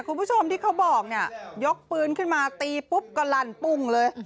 คุณผู้ชมที่เขาบอกเนี่ยยกปืนขึ้นมาตีปุ๊บก็ลั่นปุ้งเลย